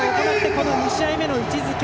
この２戦目の位置づけ